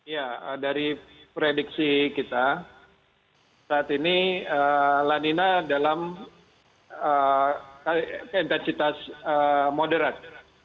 ya dari prediksi kita saat ini lanina dalam intensitas moderat